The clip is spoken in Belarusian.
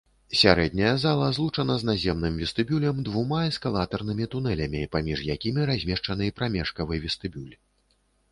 Сярэдняя зала злучана з наземным вестыбюлем двума эскалатарнымі тунэлямі, паміж якімі размешчаны прамежкавы вестыбюль.